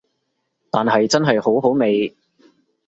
但係真係好好味